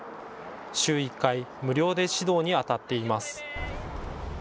週１回、無料で指導にあたっています。